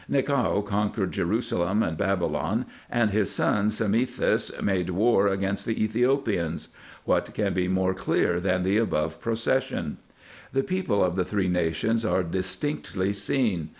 Nichao conquered Jerusalem and Babylon, and his son Psammethis made war against the Ethiopians. What can be more clear than the above procession ? IN EGYPT, NUBIA, &c. 243 The people of the three nations are distinctly seen.